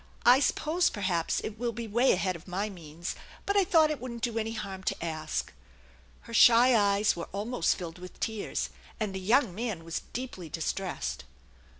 I suppose perhaps it will be way ahead of my means, but I thought it wouldn't do any harm to ask." Her shy eyes were almost filled with tears, and the young man was deeply distressed.